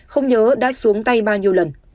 không nhớ đã xuống tay bao nhiêu lần